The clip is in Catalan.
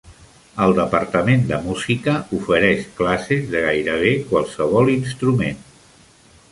El departament de música ofereix classes de gairebé qualsevol instrument.